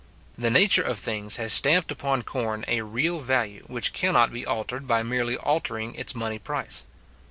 The nature of things has stamped upon corn a real value, which cannot be altered by merely altering its money price.